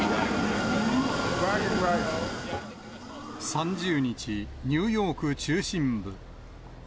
３０日、ニューヨーク中心部。